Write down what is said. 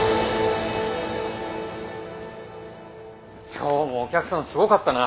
今日もお客さんすごかったな！